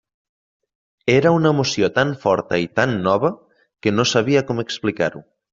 Era una emoció tan forta i tan nova, que no sabia com explicar-ho.